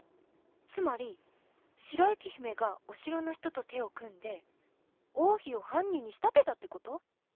つまり白雪姫がお城の人と手を組んで王妃を犯人に仕立てたって事？